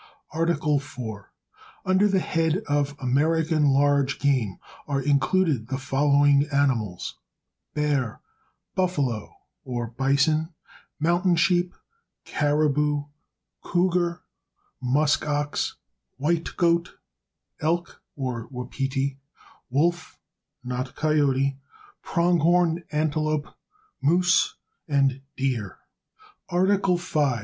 Article IV. Under the head of American large game are included the following animals: Bear, buffalo (bison), mountain sheep, caribou, cougar, musk ox, white goat, elk (wapiti), wolf (not coyote), pronghorn antelope, moose and deer. Article V.